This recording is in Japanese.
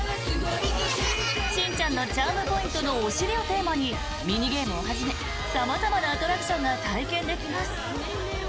しんちゃんのチャームポイントのお尻をテーマにミニゲームをはじめ様々なアトラクションが体験できます。